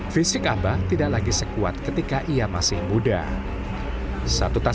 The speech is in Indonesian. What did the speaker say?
fisik abah tidak lagi sekuat ketika ia masih muda